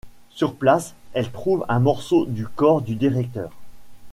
Sur place, elle trouve un morceau du corps du directeur.